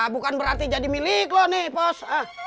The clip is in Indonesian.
bukan berarti jadi milik loh nih pos